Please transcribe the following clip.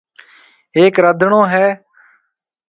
ھيَََڪ رڌڻو ھيَََ